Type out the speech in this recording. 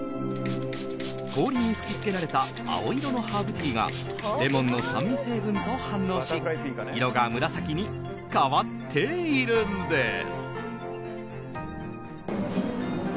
氷に吹き付けられた青色のハーブティーがレモンの酸味成分と反応し色が紫に変わっているんです。